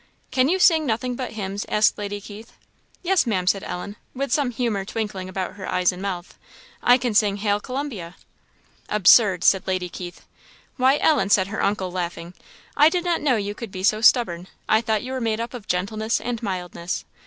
"Can you sing nothing but hymns?" asked Lady Keith. "Yes, Ma'am," said Ellen, with some humour twinkling about her eyes and mouth, "I can sing 'Hail Columbia!' " "Absurd!" said Lady Keith. "Why, Ellen," said her uncle, laughing, "I did not know you could be so stubborn; I thought you were made up of gentleness and mildness.